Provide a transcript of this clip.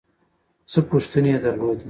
څه پوښتنې یې درلودې.